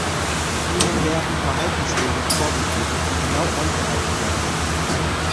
Ihnen werden Verhaltensregeln vorgegeben, die genau eingehalten werden müssen.